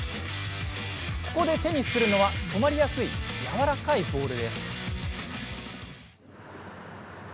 ここで手にするのは止まりやすい、柔らかいボール。